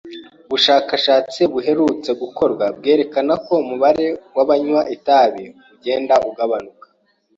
Ubushakashatsi buherutse gukorwa bwerekana ko umubare w'abanywa itabi ugenda ugabanuka.